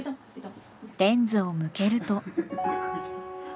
レンズを向けると。